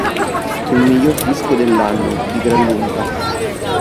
Il miglior disco dell'anno, di gran lunga".